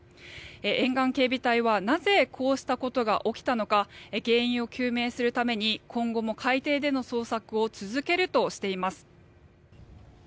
沿岸警備隊はなぜ、こうしたことが起きたのか原因を究明するために今後も海底での捜索を続けるとしています。